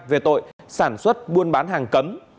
về tội sản xuất buôn bán hàng cấm